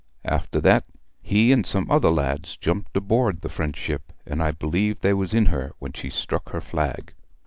After that he and some other lads jumped aboard the French ship, and I believe they was in her when she struck her flag.